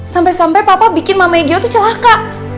sampai sampai papa bikin mamanya jio tuh celaka